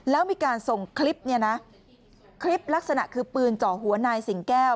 แล้วมีการส่งคลิปเนี่ยนะคลิปลักษณะคือปืนเจาะหัวนายสิงแก้ว